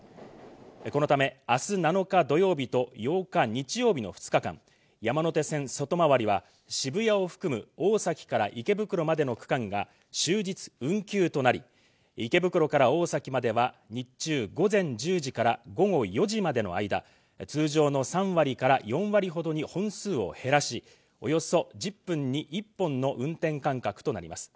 このため明日７日土曜日と、８日日曜日の２日間、山手線外回りは渋谷を含む大崎から池袋までの区間が終日運休となり、池袋から大崎までは日中午前１０時から午後４時までの間、通常の３割から４割ほどに本数を減らし、およそ１０分に１本の運転間隔となります。